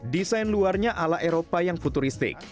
desain luarnya ala eropa yang futuristik